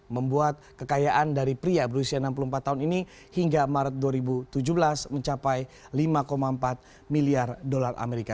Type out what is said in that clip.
membuat kekayaan dari pria berusia enam puluh empat tahun ini hingga maret dua ribu tujuh belas mencapai lima empat miliar dolar amerika